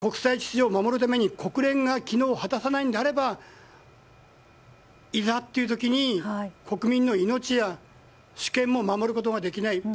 本当に国際秩序を守るために、国連が機能を果たさないのであればいざという時に国民の命や主権を守ることができない。